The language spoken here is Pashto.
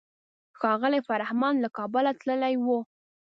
ښاغلی فرهمند له کابله تللی و.